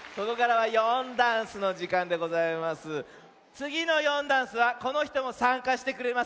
つぎの「よんだんす」はこのひともさんかしてくれます。